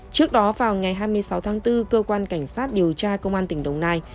trước đó vào ngày hai mươi sáu tháng bốn cơ quan cảnh sát điều tra công an tỉnh đồng nai